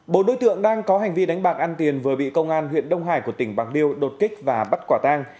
bộ đối tượng đang có hành vi đánh bạc ăn tiền vừa bị công an huyện đông hải của tỉnh bạc liêu đột kích và bắt quả tang